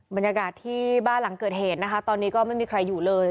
บรรยากาศที่บ้านหลังเกิดเหตุนะคะตอนนี้ก็ไม่มีใครอยู่เลย